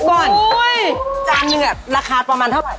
โหตัวใหญ่มาก